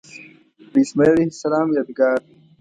د اسمیل علیه السلام یادګار دی.